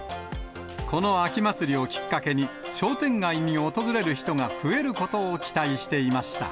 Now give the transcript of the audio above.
この秋祭りをきっかけに、商店街に訪れる人が増えることを期待していました。